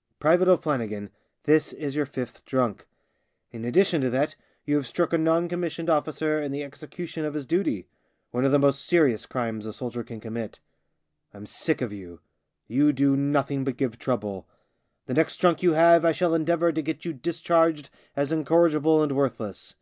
" Private O'Flannigan, this is your fifth drunk. In addition to that you have struck a non commissioned officer in the execution of his duty, one of the most serious crimes a soldier can commit. I'm sick of you. You do nothing but give trouble. The next drunk you have I shall endeavour to get you discharged as incorrigible and worthless.